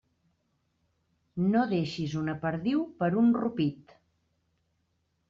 No deixes una perdiu per un ropit.